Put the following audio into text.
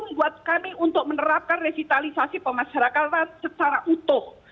ini adalah momentum buat kami untuk menerapkan resitalisasi pemasyarakatan secara utuh